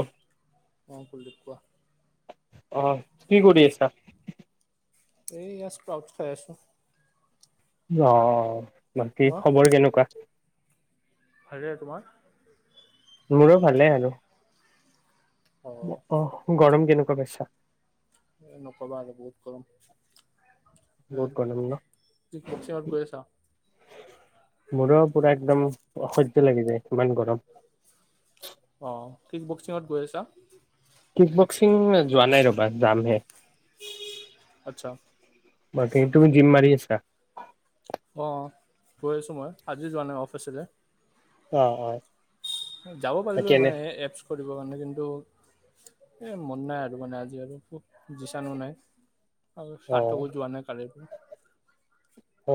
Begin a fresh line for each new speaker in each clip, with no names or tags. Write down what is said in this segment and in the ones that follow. অঁ।
অ কুললীপ কোৱা।
অঁ কি কৰি আছা?
এই ইয়াত ষ্ট্ৰক খাই আছো।
অহ, বাকী
মই
খবৰ কেনেকুৱা?
ভালেই, তোমাৰ?
মোৰো ভালেই আৰু।
অ
আহ, গৰম কেনেকুৱা পাইছা?
এ নকবা আৰু বহুত গৰম।
বহুত গৰম ন?
তুমি কচিঙত গৈ আছা।
মোৰো পূৰা একদম অসহ্য লাগি যায়, ইমান গৰম।
অ কিক বক্সিঙত গৈ আছা।
কিক বক্সিং যোৱা নাই ৰ'বা যামহে।
আচ্ছা।
বাকী তুমি জিম্ম মাৰি আছা।
অঁ গৈ আছোঁ মই, আজি যোৱা নাই অফিচলৈ।
অঁ হয়।
যাব পাৰিলো মানে হে এপছ কৰিব কাৰণে কিন্তু। এ মন নাই আৰু মানে আজি আৰু খুব যিচাণো নাই। আৰু
অ
সাৰ্থকো যোৱা নাই কালি পৰা।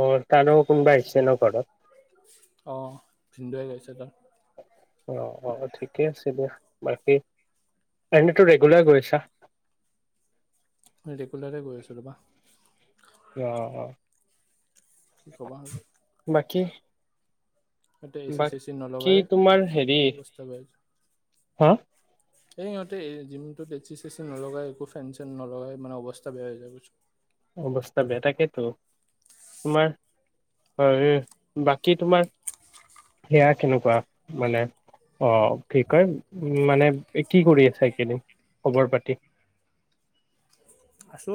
অ' তাৰো কোনোবা আহিছে ন ঘৰত।
অ ভিন্দুৱে আহিছে তাৰ।
অ' অ' ঠিকে আছে দিয়া বাকী এনেতো ৰেগুলাৰ গৈ আছা।
মই ৰেগুলাৰে গৈ আছোঁ ৰ'বা।
অঁ অঁ।
কি কবা আৰু।
বাকী।
ইয়াতে এচি চেচি
বাকী
নলগাই
তোমাৰ হেৰি
অৱস্থা বেয়া
হা,
এই সিহঁতে এই জিম টোত এ চি চেচি নলগাই, একো ফেন চেন নলগাই মানে অৱস্থা বেয়া হৈ যায় গৈ।
অৱস্থা বেয়া তাকেতো। তোমাৰ, হেৰি বাকী তোমাৰ, [unintelligible] কেনেকুৱা মানে, অঁ কি কয়, মানে কি কৰি আছা? এইকেইদিন খবৰ পাতি
আছো,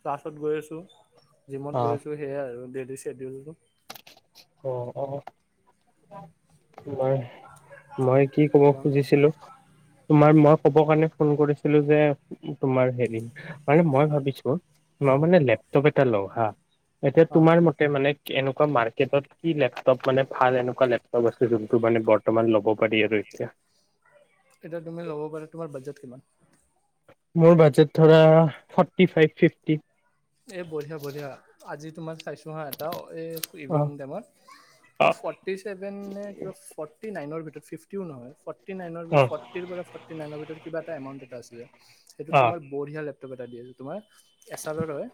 ক্লাছত গৈ আছো, জিমত
অ
গৈ আছো। সেয়া আৰু ডেইলি চেডিউলটো।
অ'অ' নাই। মই, কি কব
ৰ'বা
খুজিছিলো। তোমাৰ মই ক'ব কাৰণে ফোন কৰিছিলো যে তোমাৰ হেৰি। মানে মই ভাবিছো মই মানে লেপটপ এটা লওঁ হা। এতিয়া
অ
তোমাৰ মতে মানে এনেকুৱা মাৰ্কেটত। কি লেপটপ মানে ভাল, এনেকুৱা লেপটপ আছে যোনটো মানে বৰ্তমান ল'ব পাৰি আৰু এতিয়া।
এতিয়া তুমি ল'ব পাৰা তোমাৰ বাজেট কিমান।
মোৰ বাজেট ধৰা ফৰ্টি ফাইভ ফিফটি।
এ বঢ়িয়া বঢ়িয়া আজি তোমাক চাইছো হা এটা এ
অ
ইভিনিং টাইমত
অ
তোমা ফৰ্টি চেভেন নে কিবা ফটি। ফৰ্টি নাইনৰ ভিতৰত ফিফটিও নহয়। ফৰ্টি নাইনৰ
অ
ফৰ্টিৰ পৰা ফৰ্টিনাইনৰ ভিতৰত কিবা এটা এমাউণ আছিলে। সেইটো
অ
তোমাৰ বঢ়িয়া লেপটপ এটা দি আছে তোমাৰ এছাৰৰ হয়।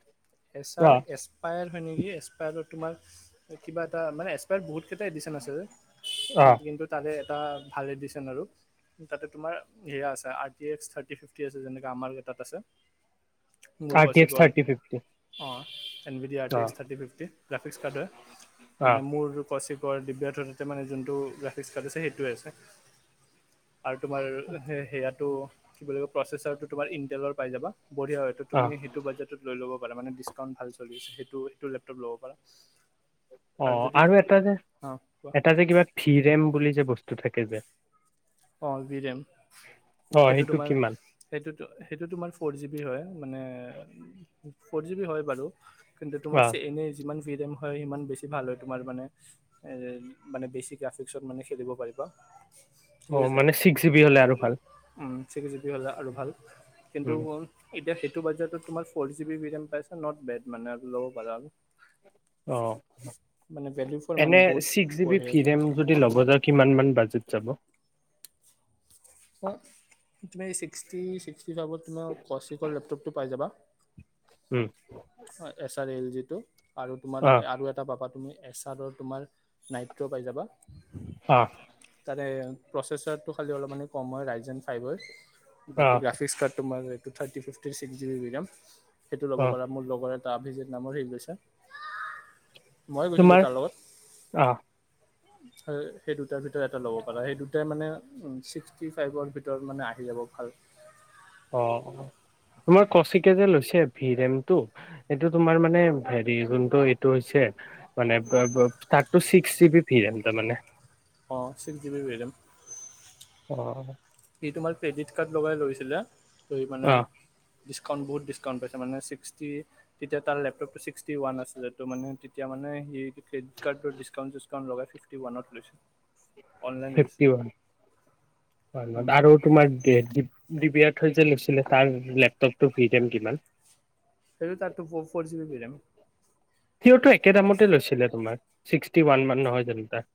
এচাৰ এসপায়াৰ হয় নেকি এসপায়াৰত তোমাৰ কিবা এটা মানে ত বহুত কেইটা এডিশন আছে
অ
কিন্তু তাৰে এটা ভাল এডিশচন আৰু। তাতে তোমাৰ সেয়া আছে আৰ টি্স থাৰ্টি ফিফটি আছে যেনেকৈ আমাৰ তাত আছে। মোৰ
আৰটিএফ
কৌশিকৰ
থাৰটি ফিফটি।
অঁ এন বি ডি আৰ
অ
T X thirty fifty graphics card হয়
অ
মানে মোৰ কচিপট। দিব্যাৰ্থ তাতে মানে যোনটো গ্ৰাফিক্ছ কাটিছে সেইতোৱে আছে। আৰু তোমাৰ সেই সেয়াতো কি বুলি কয় প্ৰচেচাৰ তো তোমাৰ ইনটেলৰ পাই যাবা। বঢ়িয়া হয় এইতো
অ
তুমি বাজেটত লৈ লব। প মানে ডিছকাউণ্ট ভাল চলি আছে সেইটো এইটো লেপটপ ল'ব পাৰা।
অঁ আৰু এটা যে
অঁ কোৱা
এটা যে কিবা ফি ৰেম বুলি যে বস্তু থাকে যে।
অ' বি ডেম
অ
সেইটো তোমাৰ।
কিমান
সেইটোতো সেইটো তোমাৰ ফ'ৰ জি বি হয় মানে ফৰ জি বি হয় বাৰু। কিন্তু তোমাৰ
অ
চ এনে যিমান বিম হয় সিমান বেছি ভাল হয়। তোমাৰ মানে এ মানে বেছি গ্ৰাফিক্সত মানে খেলিব পাৰিব।
অ
ঠিক আছে
মানে ছিক্স জি বি হলে আৰু ভাল
ছিক্স জি বি হ'লে আৰু ভাল কিন্তু।
উম
এতিয়া সেইটো বত তোমাৰ ফ জ বি পাইা নট বেড মানে ল'বা পাৰা।
অ
মানে ভেলিউ ফৰ মানি
এনে
বহুত
ছিক্স জি বি
বঢ়িয়া
ভি ৰেম যদি লগ য। কিমান মান বাজিত যাব।
অ তুমিক্্স ফাইভত তুমাৰ কচিকৰ লেপটপটো পাই যাবা।
উম
এছ এল জি টো আৰু তোমাৰ
অ
আৰু এটা পাবা তুমি এছ। তাত তোমাৰ নাইট্য পাই যাবা।
অ
তাৰে প্ৰচেচাৰটো খালি অলপ কম হয়। ৰাইজেন ফাইভৰ,
অ
বাকী গ্ৰাফিক্স কাৰ্ড তোমাৰটো thirty fifty six G B RAM সেইটো
অ
ল'ব পাৰা। মোৰ লগৰ এ ত অভিজিত নামৰ শেৰি গৈছে। মই গৈছিলোঁ
তোমাৰ
তাৰ লগত।
অ
উ সেই দুটাৰ ভিতৰত এটা ল'ব পাৰাঁ সেই দুটাই মানে ছিক্সটি ফাইভৰ ভিতৰত মানে আহি যাব ভাল।
অ তোমাৰ কচিক যে লৈছে ভিৰেমটো। এইটো তোমাৰ মানে হেৰি যোনটো এইটো হৈছে। মানে ফাৰ্ ছিক্স জি বি তাৰ মানে।
অঁ ছিক্স জি বি ভেৰিয়েনট।
অ
সি তোমাৰ ক্ৰেডিট কাৰ্ড লগাই লৈছিলে ত মানে।
অ
ডিছকাউণ্ট বহুত ডিছকাউণ্ট পাইছে মানে চিষ্টি তেতিয়া তাৰ লেপটপটো চীষ্টি ৱান আছিলে ত' এতিয়া মানে ফ্লিপকাৰ্টত ডিছকাউণ্ট - চিছকাউণ্ট লগাই মানে ৱত ল [unintelligible]
উ'।
অনলাইন দিছো।
হয় আৰু তোমাৰ ডিবিয়াৰ থৈ যে লৈছিলে তাৰ লেপটপটো ফিজন কিমান?
সেইটো তাত ফৰ জিবি ৰেম।
সিয়াৰটো একে দামতে লৈছিলে তোমাৰ ছিক্সটি ওৱান মান নহয় জানো তাৰ?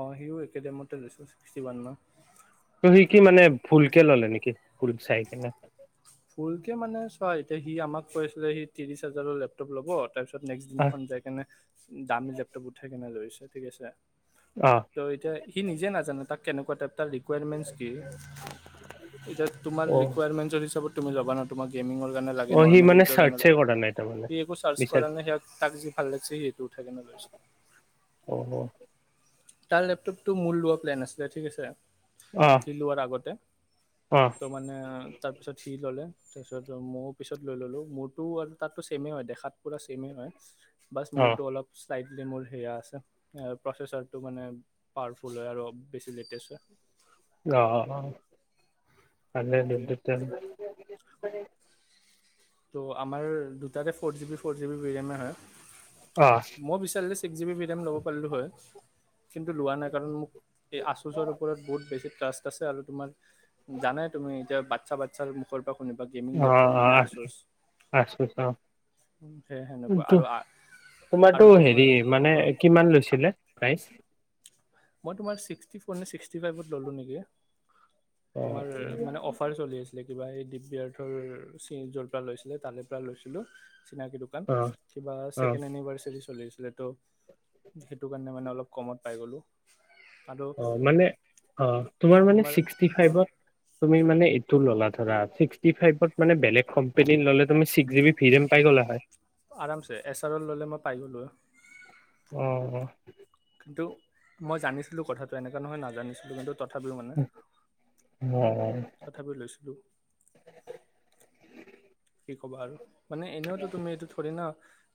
অ' সিও একেডেমতে লৈছো ছিকচটি ৱান মান।
ত' সি কি মানে ভুলকে ল'লে নেকি ভুল চাই কেনে?
ফুল কে মানে চোৱা এতিয়া সি আমাক কৈ আছিলে সি ত্ৰিছ হাজাৰৰ লেপটপ ল'ব তাৰপিছত ত' নেক্সট
আহ
দিনাখন যাই কেনে দামী লেপটপ উঠাই কেনে ধৰিছে ঠিক আছে।
অ'।
ত' এতিয়া সি নিজে নাজানো তাক কেনেকুৱা টপটা [unintelligible] লি ৰিকাৰমেণ্টছ কি এতিয়া তোমাৰ
অ
ৰিকুৱায়াৰমেণ্টছৰ হিচাপত তুমি যাবা না। তোমাৰ গেমিঙৰ কাৰণে
অ
লাগে
সি
নৰ্মেল
মানে
ইউজৰ কাৰণে
চাৰ্চে কৰা
লাগে।
নাই তাৰমানে
সি একো চাৰ্চছ
বিচাৰ
নে তাক যি ভাল লাগিছে সেইটো উঠাই কেনে লৈছে।
অ'।
তাৰ লেপটপটো মোৰ লোৱা প্লেন আছিলে ঠিক আছে।
অ'।
লোৱাৰ আগতে
অ'।
তো মানে তাৰপিছত সি ল'লে তাৰপিছত ময়ো পিছত লৈ ল'লোঁ, মোৰতো আৰু তাততো চেমেই হয় দেখাত পুৰা ছেমেই হয় বাছ
অ
মোৰটো অলপ চাইডলি মোৰ সেয়া আছে প্ৰচেছৰ টো মানে পাৱাৰফুল হয় আৰু বেছি লেটেষ্ট হয়
অ' ভালে
সেইটোৱে
দুতেনে [unintelligible]
ত' আমাৰ দুটাতে four GB B four GB ভেৰিয়ামে হয়
অ'।
মই বিচিলে ছিক্ জ বিম ল'ব। [unintelligible] আছে আৰু তোমাৰ জানে তুমি এতিয়া বাচ্ছা বাচ্ছাৰ মুখৰ পৰা শুনিবা গেমিং লেপটপ মানে আছে।
আছোছ
সেই সেনেকুৱা আৰু
[unintelligible]
আৰু
তোমাৰটো
তোমাৰ
হেৰি মানে
কোৱা
কি কিমান লৈছিলে প্ৰাইজ?
মই তোমাৰ ছিক্সটি ফ'ৰ নে ছিক্সটি ফাইভত ল'লো নেকি
অ
তোমাৰ মানে অফাৰ চলি আছে। কিবা এই দিব্যাৰথৰি যৰ পৰা লৈছিলে তালিৰ পৰা লৈছিলো চিনাকি
অ
কিবা
অ
ছেকেণ্ড এনিভাৰ্চাৰী চলি আছিলে তো সেইটো কাৰণে মানে অলপ কমত পাই গ'লোঁ। আৰু
অ' মানে অ' তোমাৰ মানে ছিক্সটি ফাইভত? তুমি মানে এইটো ল'লা ধৰা ছিক্স টি ফাইভ ত মানে বেলেগ কোম্পানীৰ ল'লে ছিক্স জি বি ভিৰেম পাই গ'লে হয়
আৰামছে এছ আৰ অল ল'লে মই পাই গ'লো হৈ
উম।
কিন্তু মই জানিছিলো কথাটো এনেকুৱা নহয় নাজানিছিলো কিন্তু তথাপিও মানে
উম।
তথাপি লৈছিলোঁ। কি ক'বা আৰু মানে এনেওতো তুমি এইটো থৰি না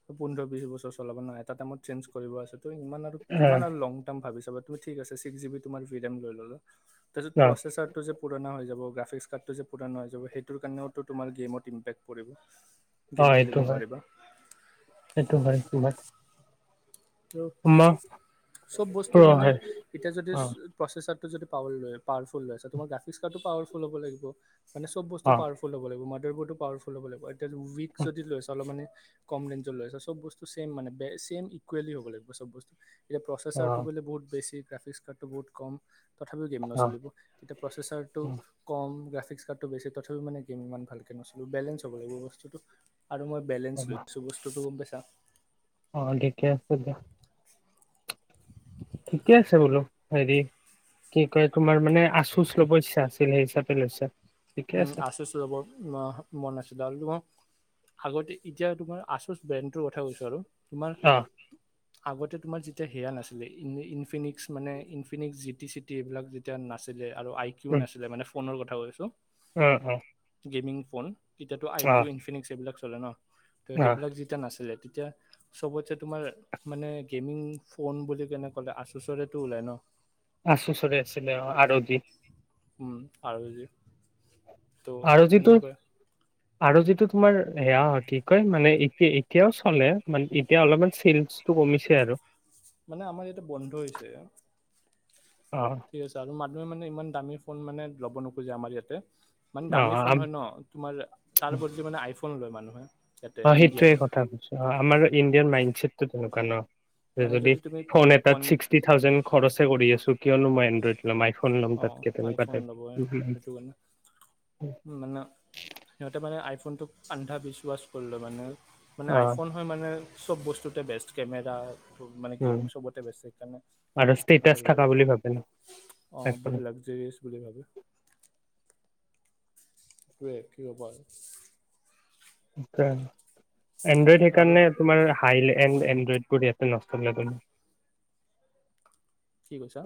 ত পোন্ধৰ বিশ বছৰ চলাব ন এটা টাইমত চেঞ্জ কৰিব আছে, তো ইমান আৰু কিমান আৰু লং তাম ভাবিছা বাৰু ঠিক আছে, ছিক্স যিবি তোমাৰ ভিদেম লৈ ললা, তাৰ পিছত
অ
প্ৰছেচাৰটো যে পুৰণা হৈ যাব, গ্ৰাফিক্স কাৰ্ডটো যে পুৰণা হৈ যাব, সেইটোৰ কাৰণেও যে তোমাৰ গে'মত ইম্পেক্ট পৰিব।
অ
গেম খেলিব
সেইটো হয়,
নোৱাৰিবা
সেইটো হয় সেই টো হয়।
ত' চব বস্তু
প্ৰ
মানে
হয়
এতিয়া যদি
অ
প্ৰচেচাৰটো যদি পাৱা ফুল পাৱাৰফুল হৈ আছে, তোমাৰ গ্ৰাফিক্স টো পাৱাৰফুল হ'ব লাগিব মানেব
অ
বস্তুাৱাৰফুল ফুল হ'ব লাগিব, মডাৰ বৰ্ড ও পাৱাৰফুল হ'ব লাগিব। এতিয়া উইক যদি লৈছে অলপ মানে কম ৰেঞ্জত লৈ আছে চব বস্তু চছেম মানে চছেম ইকুৱেলি হ'ব লাগিব চব বস্তু। এতিয়া
অ
প্ৰচেছাৰটো বোলে বহুত বেছি, গ্ৰাফিক্স কাৰ্ডটো বহুত কম তথাপিও গেম
অ অ
নচলিব। এতিয়া প্ৰচেচাৰটো কম গ্ৰাফিক্স কাৰ্ডটো বেছি তথাপিও মানে গেম ইমান ভালকে নছলিব বেলেঞ্চ হ'ব লাগিব বস্তুটো। আৰু মই বেলেঞ্চ লৈ আছো বস্তুটো গম পাইছা।
অ ঠিকে আছে দিয়া। ঠিকে আছে বোলো হেৰি কি কয় তোমাৰ মানে আচুচ ল'ব ইচ্ছা আছিল সেই হিচাপে লৈছো?
উম আচুচ লবৰ মন আছিল আৰু আগতে এতিয়া তোমাৰ আচুচ ব্ৰেণ্ডৰ কথা কৈছো আৰু তোমাৰ
অ
আগতে তোমাৰ যেতিয়া সেয়া নাছিলে, ইনফিনিকছ মানে Infinix G, T, C, T এইবিলাক যেতিয়া নাছিল আৰু আই, কিউ নাছিলে মানে ফোনৰ কথা কৈছো।
অঁ অঁ।
গেমিং ফোন, এতিয়াতো আই, কিউ, ইনফিনিক্স এইবিলাক চলে ন। ত'
অ
সেইবিলাক যেতিয়া নাছিলে তেতিয়া চবতছে তোমাৰ মানে গেমিং ফোন বুলি কেনে ক'লে আচুচৰে টো ওলাই ন।
আচুচৰে আছিলে অঁ আৰতি
আৰু যি
আৰু যিটো আৰু যিটো তোমাৰ সেয়া কি কয় মানে এতিয়া ও চলে মানে এতিয়া অলপমান চলচটো কমিছে আৰু।
মানে আমাৰ ইয়াতে বন্ধ হৈছে।
অহ'
ঠিক আছে, আৰু মানুহে মানে ইমান দামী ফোন মানে ল'ব নোখোজে আমাৰ ইয়াতে। মানে
অ
দামী ফোন
আম
হয় ন? তোমাৰ তাৰ বদলি মানে আইফোন লয় মানুহে। ইয়াতে
অ',
ইণ্ডিয়াত।
সেইটোৱে কথা কৈছো অ' আমাৰ ইণ্ডিয়াৰ মাইণ্ডছেটটো তেনেকুৱা ন।
মানে
যদি
তুমি
ফোন
পন
এটাত ছিক্সটি থাউজেড খৰচে কৰি আছো কিয়নো মই এনড্ৰইড ল'ম আইফোন ল'ম
অ
তাতকে তেনেকুৱা
আইফোন ল'ব
টাইপ।
সেইটো কাৰণে মানে সিহঁতে মানে আইফোনটোক আন্ধা বিশাস কৰিল মানে। মানে
অ
আইফোন হয় মানে! চব বস্তুতে বেষ্ট কেমেৰা মানে
উম
গেমিং চবতে বেষ্ট, সেই কাৰণে
আৰু ষ্টেটাচ
[unintelligible]
[unintelligible]
অ',
আইফোনত।
বহুত লাগজেৰিয়াছ বুলি ভাবে। [unintelligible]
এণ্ড্ৰইড
আৰু
সেইকাৰণে তোমাৰ হাইলেবেল এণ্ড্ৰইড বোৰ ইয়াতে নচলে
কি কৈছা?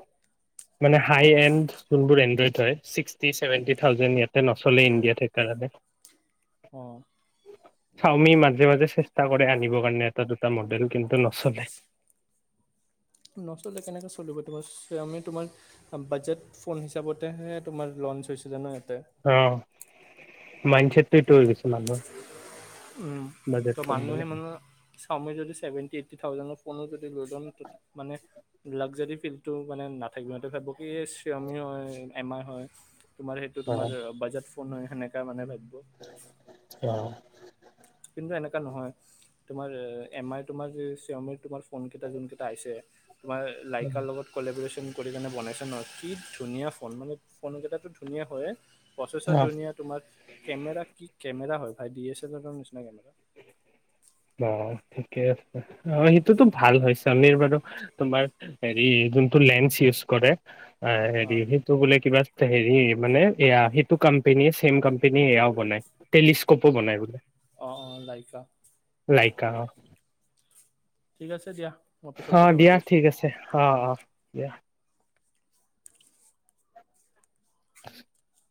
মানে হাই এণ্ড যোনবোৰ এনড্ৰইড হয় ছিক্সটি চছেভেনটি থাউজেণ্ড ইয়াত তে নচলে ইণ্ডিয়াত সেইকাৰণে।
অ'!
চাওমি মাজে মাজে চেষ্টা কৰে আনিবৰ কাৰণে এটা দুটা মডেল! কিন্তু নচলে।
নচলে কেনেকৈ চলিব তোমাৰ চাওমি তোমাৰ বাজেট ফোন হিচাপতহে তোমাৰ লঞ্চ হৈছে জানো ইয়াতে।
অ', মাইন্ড চেট সেইটো হৈ গৈছে মানুহৰ।
উম,
বাজেট
ত'
কম
মানুহে
বুলি
মানুহৰ চাওমি যদি চেভেন্টি এইট্টি থাউজেন্ডৰ ফোনও যদি [unintelligible] মানে লাগজাৰী ফিল্ডটো মানে নাথাকিব। ইহঁতে ভাবিব কি ছাওমি হয় এম আই হয়। তোমাৰ সেইটো
অ
তোমাৰ বাজেট ফোন হয় সেনেকা মানে ভাবিব।
অ'।
কিন্তু এনেকা নহয় তোমাৰ এ এম আই তোমাৰ যে চাওমিৰ তোমাৰ ফোন কেইটা যোন কেইটা আইছে, তোমাৰ লাইকা লগত কালবে ৰচন কৰি কেনে বনাইছে নহয় কি ধুনীয়া ফোন, মানে ফোন কেইটাটো ধুনীয়া হয়ে। প্ৰচেছৰ
অ
ধুনীয়া তোমাৰ কেমেৰা কি কেমেৰা হয় ভাই ডি এছ এলাৰৰ নিচিনা কেমেৰা।
অ', ঠিকে আছে। অ' সেইটোতো ভাল হৈ হয় চাওমি বাৰু তোমাৰ হেৰি যোনটো লেন্স ইউজ কৰে। অ', হেৰি সেইটো বোলে কিবা হেৰি মানে এয়া সেইটো কোম্পনীৰ। চেম কোম্পানীৰে এয়াও বনাই, টেলিস্কোপো বনাই বোলে।
অ', অ', লাইকা।
লাইকা অ'।
ঠিক আছে দিয়া। মই পিছত
অ',
কথা পাতি
দিয়া ঠিক
আছোঁ
আছে, অ' অ' দিয়া। [inaudible]